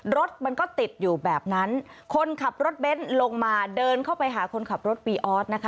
รถมันก็ติดอยู่แบบนั้นคนขับรถเบนท์ลงมาเดินเข้าไปหาคนขับรถปีออสนะคะ